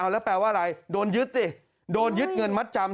แล้วแปลว่าอะไรโดนยึดสิโดนยึดเงินมัดจำ